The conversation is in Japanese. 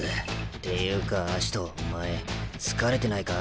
っていうか葦人お前疲れてないか？